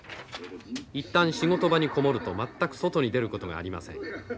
一旦仕事場に籠もると全く外に出ることがありません。